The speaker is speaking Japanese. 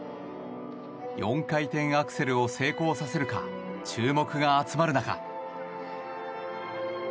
４回転アクセルを成功させるか注目が集まる中。